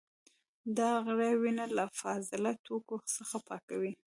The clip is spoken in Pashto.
دا غړي وینه له فاضله توکو څخه پاکوي.